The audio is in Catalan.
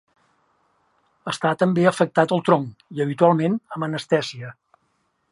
Està també afectat el tronc i habitualment amb anestèsia.